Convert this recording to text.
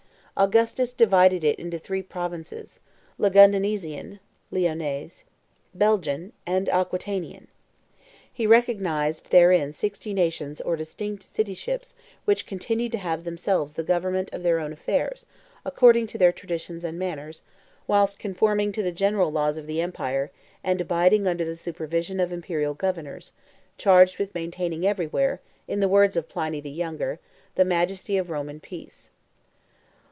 Augustus divided it into three provinces, Lugdunensian (Lyonese), Belgian, and Aquitanian. He recognized therein sixty nations or distinct cityships which continued to have themselves the government of their own affairs, according to their traditions and manners, whilst conforming to the general laws of the empire, and abiding under the supervision of imperial governors, charged with maintaining everywhere, in the words of Pliny the Younger, "the majesty of Roman peace."